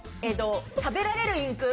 食べられるインク。